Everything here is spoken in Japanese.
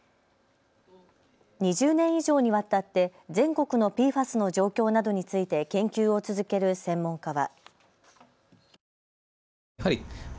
２０年以上にわたって全国のＰＦＡＳの状況などについて研究を続ける専門家は。